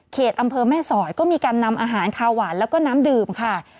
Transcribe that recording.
อำเภอแม่สอยก็มีการนำอาหารคาวหวานแล้วก็น้ำดื่มค่ะ